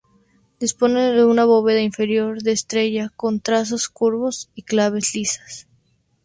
Dispone de una bóveda inferior de estrella con trazos curvos y claves lisas.